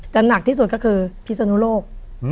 หนักที่สุดก็คือพิศนุโลก